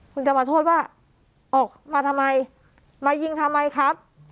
คุณจะมาโทษว่าออกมาทำไมมายิงทำไมครับ